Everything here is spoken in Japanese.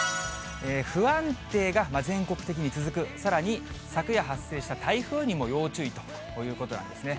不安定が全国的に続く、さらに昨夜発生した台風にも要注意ということなんですね。